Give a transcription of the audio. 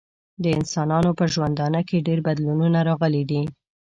د انسانانو په ژوندانه کې ډیر بدلونونه راغلي دي.